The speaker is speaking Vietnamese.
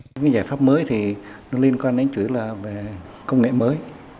cái giải pháp mới thì liên quan đến chủ yếu là về công nghệ mới